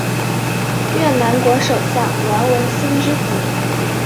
越南国首相阮文心之子。